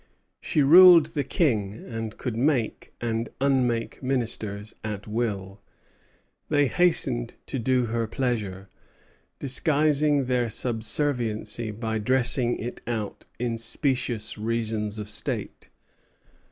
She ruled the King, and could make and unmake ministers at will. They hastened to do her pleasure, disguising their subserviency by dressing it out in specious reasons of state.